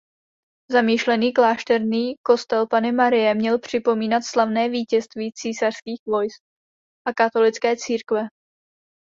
Zamýšlený klášterní kostel Panny Marie měl připomínat slavné vítězství císařských vojsk a katolické církve.